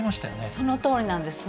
そのとおりなんですね。